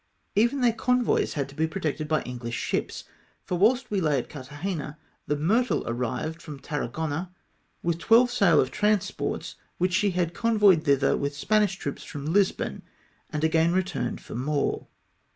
Even their convoys had to be protected by Enghsh ships, for whilst we lay at Carthagena, the Myrtle arrived from Tarragona, with twelve sail of transports which she had convoyed thither with Spanish troops from Lisbon, and again returned for more.